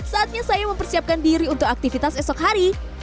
saatnya saya mempersiapkan diri untuk aktivitas esok hari